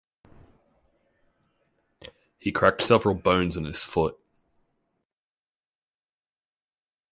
He cracked several bones in his foot.